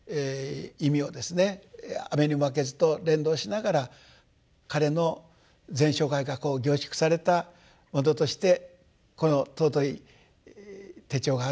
雨ニモマケズ」と連動しながら彼の全生涯が凝縮されたものとしてこの尊い手帳があるんだなと。